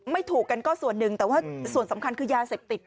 ถูกกันก็ส่วนหนึ่งแต่ว่าส่วนสำคัญคือยาเสพติด